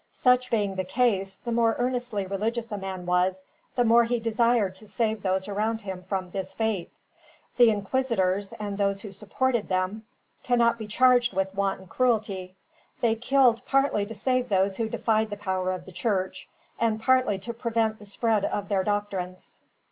Such being the case, the more earnestly religious a man was, the more he desired to save those around him from this fate. The inquisitors, and those who supported them, cannot be charged with wanton cruelty. They killed partly to save those who defied the power of the church, and partly to prevent the spread of their doctrines.